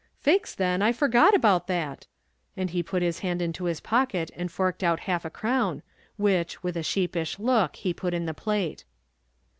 "Faix then I forgot about that;" and he put his hand into his pocket and forked out half a crown, which, with a sheepish look, he put in the plate.